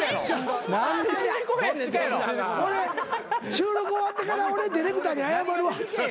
収録終わってから俺ディレクターに謝るわ。